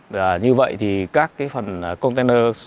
và như vậy thì các cái phần container